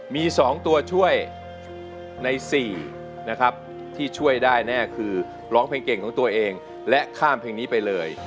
มี๒ตัวช่วยใน๔นะครับที่ช่วยได้แน่คือร้องเพลงเก่งของตัวเองและข้ามเพลงนี้ไปเลย